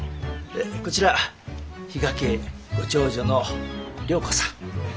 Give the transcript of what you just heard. こちら比嘉家ご長女の良子さん。